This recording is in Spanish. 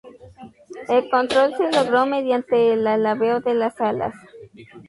El control se logró mediante el alabeo de las alas.